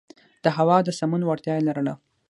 د هوا د سمون وړتیا یې لرله.